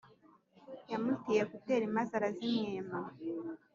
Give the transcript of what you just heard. yamutiye ecouter maze arazimwima